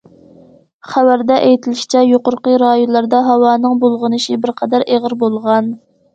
خەۋەردە ئېيتىلىشىچە، يۇقىرىقى رايونلاردا ھاۋانىڭ بۇلغىنىشى بىر قەدەر ئېغىر بولغان.